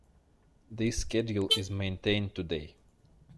This schedule is maintained today.